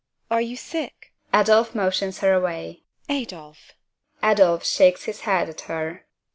Are you sick? (ADOLPH motions her away.) TEKLA. Adolph! (ADOLPH shakes his head at her.)